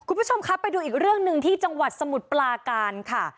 คุณผู้ชมครับไปดูอีกเรื่องหนึ่งที่จังหวัดสมุทรปลาการค่ะ